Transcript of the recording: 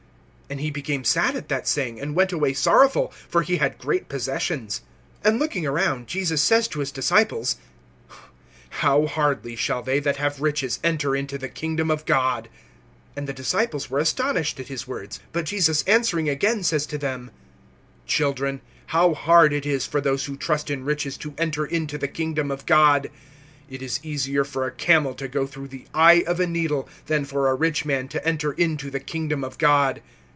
(22)And he became sad at that saying, and went away sorrowful; for he had great possessions. (23)And looking around, Jesus says to his disciples: How hardly shall they that have riches enter into the kingdom of God! (24)And the disciples were astonished at his words. But Jesus answering again says to them: Children, how hard it is for those who trust in riches to enter into the kingdom of God! (25)It is easier for a camel to go through the eye of a needle, than for a rich man to enter into the kingdom of God.